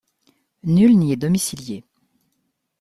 Nul n'y est domicilié.